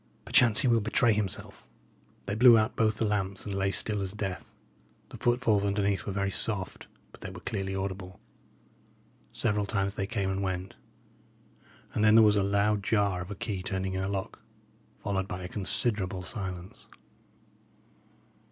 "Perchance he will betray himself." They blew out both the lamps and lay still as death. The footfalls underneath were very soft, but they were clearly audible. Several times they came and went; and then there was a loud jar of a key turning in a lock, followed by a considerable silence.